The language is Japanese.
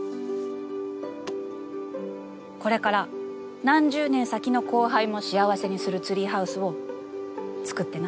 これから何十年先の後輩も幸せにするツリーハウスを作ってな。